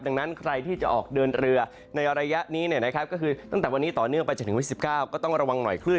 ดังนั้นใครที่จะออกเดินเรือในระยะนี้ก็คือตั้งแต่วันนี้ต่อเนื่องไปจนถึงวันที่๑๙ก็ต้องระวังหน่อยคลื่น